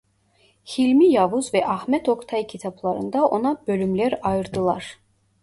Hilmi Yavuz ve Ahmet Oktay kitaplarında ona bölümler ayırdılar.